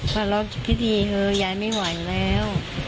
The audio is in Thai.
พระรอบพิธีเฮอยายไม่ไหวแล้ว